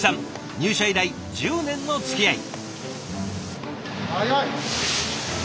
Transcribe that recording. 入社以来１０年のつきあい。